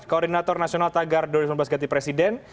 koordinator nasional tagar dua ribu sembilan belas ganti presiden